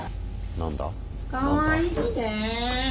何だ？